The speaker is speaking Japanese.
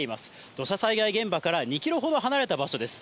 土砂災害現場から２キロほど離れた場所です。